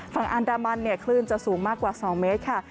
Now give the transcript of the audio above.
ฝั่งอันดามันเนี่ยคลื่นจะสูงมากกว่า๒เมตรค่ะ